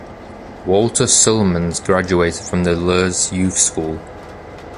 Walter Ceulemans graduated from the Lierse Youth School.